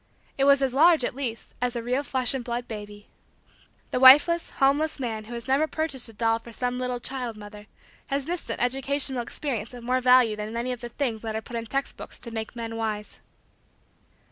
It was as large, at least, as a real flesh and blood baby. The wifeless, homeless, man who has never purchased a doll for some little child mother has missed an educational experience of more value than many of the things that are put in text books to make men wise.